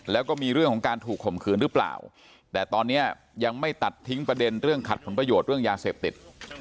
แล้วก็มีเรื่องของการถูกข่มขืนหรือเปล่าแต่ตอนนี้ยังไม่ตัดทิ้งประเด็นเรื่องขัดผลประโยชน์เรื่องยาเสพติด